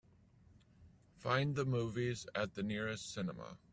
Find the movies at the nearest cinema.